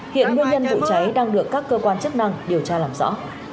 hiện nguyên nhân vụ cháy đang được các cơ quan chức năng điều tra làm rõ